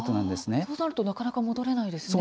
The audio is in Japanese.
そうなるとなかなか戻れないですね。